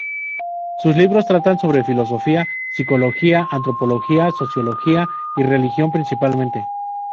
Sus libros tratan sobre filosofía, psicología, antropología, sociología y religión principalmente.